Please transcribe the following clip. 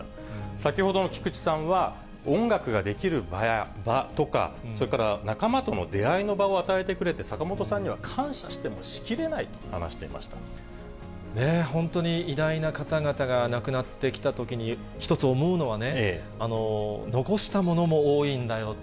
先ほどの菊地さんは、音楽ができる場とか、それから仲間との出会いの場を与えてくれて、坂本さんには感謝し本当に偉大な方々が亡くなってきたときに一つ思うのはね、残したものも多いんだよと。